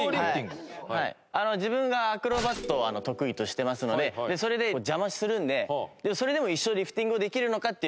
自分がアクロバットを得意としていますのでそれでこう邪魔するんでそれでも一生リフティングをできるのか？